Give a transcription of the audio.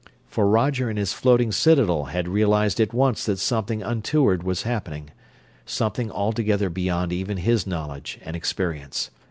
For Roger in his floating citadel had realized at once that something untoward was happening; something altogether beyond even his knowledge and experience.